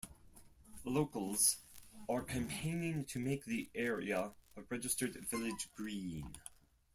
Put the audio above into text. Locals are campaigning to make the area a registered village green.